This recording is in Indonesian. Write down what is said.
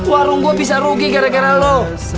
warung gua bisa rugi gara gara lu